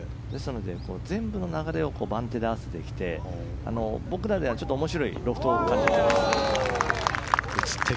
全部の流れを番手で合わせてきて僕らでは面白いロフトを感じます。